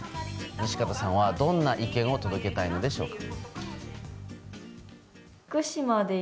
西形さんは、どんな意見を届けたいのでしょうか。